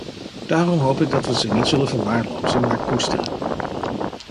Daarom hoop ik dat we ze niet zullen verwaarlozen, maar koesteren.